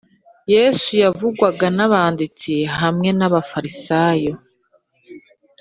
yesu yavugwaga n’abanditsi hamwe n’abafarisayo